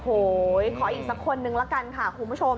โอ้โหขออีกสักคนนึงละกันค่ะคุณผู้ชม